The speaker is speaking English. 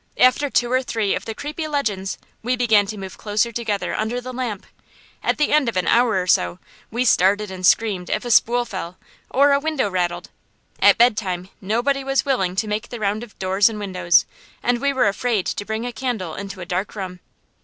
After two or three of the creepy legends we began to move closer together under the lamp. At the end of an hour or so we started and screamed if a spool fell, or a window rattled. At bedtime nobody was willing to make the round of doors and windows, and we were afraid to bring a candle into a dark room.